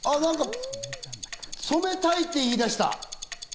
染めたいって言い出した。